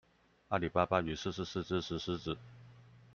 阿里巴巴與四十四隻石獅子